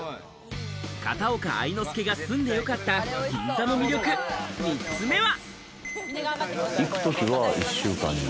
片岡愛之助が住んでよかった銀座の魅力、３つ目は。